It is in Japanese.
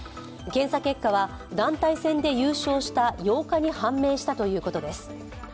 検査結果は団体戦で優勝した８日に判明したということです。